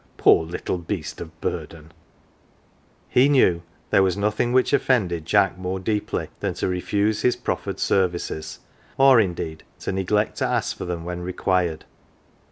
Poor little beast of burden !" 196 LITTLE PAUPERS He knew there was nothing which offended Jack more deeply than to refuse his proffered services, or, indeed, to neglect to ask for them when required.